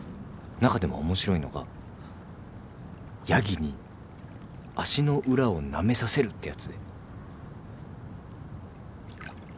中でも面白いのがヤギに足の裏をなめさせるってやつで。